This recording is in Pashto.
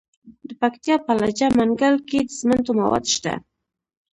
د پکتیا په لجه منګل کې د سمنټو مواد شته.